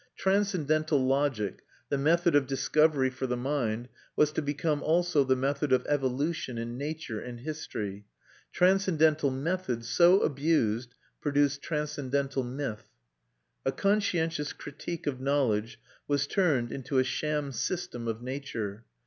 Transcendental logic, the method of discovery for the mind, was to become also the method of evolution in nature and history. Transcendental method, so abused, produced transcendental myth. A conscientious critique of knowledge was turned into a sham system of nature.